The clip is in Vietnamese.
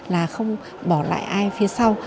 là không bỏ lại ai phía sau